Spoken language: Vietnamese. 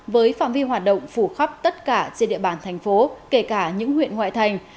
với phạm vi hoạt động phủ khắp tất cả trên địa bàn thành phố kể cả những huyện ngoại thành